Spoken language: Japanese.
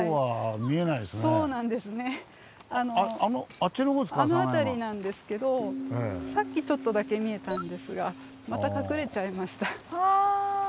あの辺りなんですけどさっきちょっとだけ見えたんですがまた隠れちゃいました。